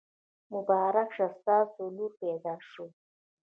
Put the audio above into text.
مبارک شه! ستاسو لور پیدا شوي.